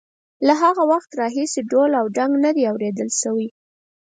له هغه وخته راهیسې ډول او ډنګ نه دی اورېدل شوی.